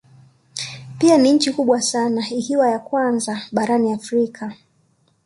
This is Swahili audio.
Pia ni nchi kubwa sana ikiwa ni ya kwanza barani Afrika